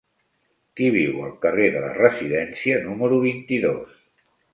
Qui viu al carrer de la Residència número vint-i-dos?